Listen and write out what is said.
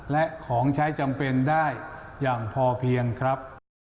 และของใช้จำเป็นได้อย่างพอเพียงครับ